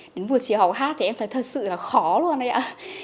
đến buổi chiều học hát thì em thấy thật sự là khó luôn ạ